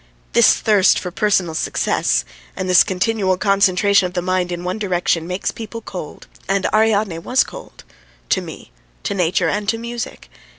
... This thirst for personal success, and this continual concentration of the mind in one direction, makes people cold, and Ariadne was cold to me, to nature, and to music.